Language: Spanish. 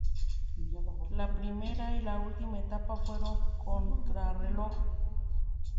La primera y la última etapa fueron contrarreloj.